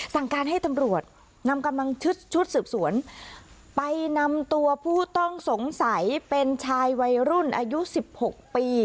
สั่งการให้ตำรวจนำกำลังชุดชุดสืบสวนไปนำตัวผู้ต้องสงสัยเป็นชายวัยรุ่นอายุสิบหกปี